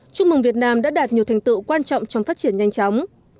chúc mừng việt nam đã đạt nhiều thành tựu quan trọng trong phát triển nhanh chóng